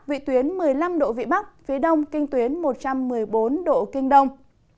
vị tuyến một mươi năm độ vị bắc phía đông kinh tuyến một trăm một mươi bốn độ kinh đông